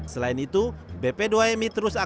selain itu bp dua mi terus akan memulangkan secara bertahap